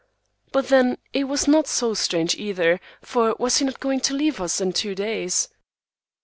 But then, it was not so strange either, for was he not going to leave us in two days?